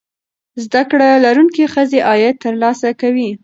زده کړې لرونکې ښځې عاید ترلاسه کوي.